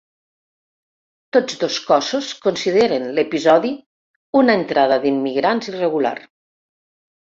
Tots dos cossos consideren l’episodi una entrada d’immigrants irregular.